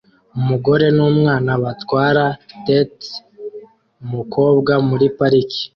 umugore numwana batwara teeter-umukobwa muri parike